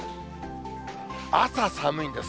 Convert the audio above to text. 朝寒いんです。